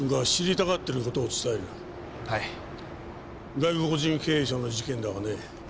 外国人経営者の事件だがね